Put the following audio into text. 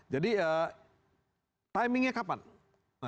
jadi timingnya kapan